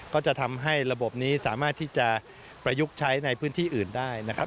ก็จะทำให้ระบบนี้สามารถที่จะประยุกต์ใช้ในพื้นที่อื่นได้นะครับ